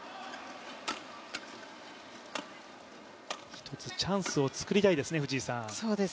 一つチャンスを作りたいですね。